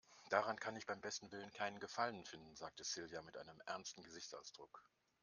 Daran kann ich beim besten Willen keinen Gefallen finden, sagte Silja mit einem ernsten Gesichtsausdruck.